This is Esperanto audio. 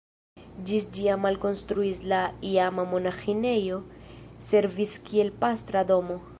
Ĝis ĝia malkonstrui la iama monaĥinejo servis kiel pastra domo.